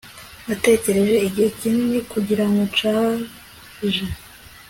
Nategereje igihe kinini kugirango nshaje